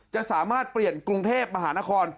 จะสามารถเปลี่ยนกรุงเทพมหานคร